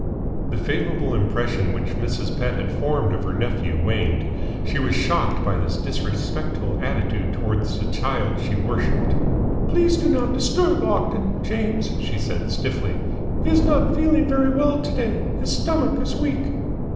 The favourable impression which Mrs. Pett had formed of her nephew waned. She was shocked by this disrespectful attitude towards the child she worshipped. "Please do not disturb Ogden, James," she said stiffly. "He is not feeling very well to day. His stomach is weak."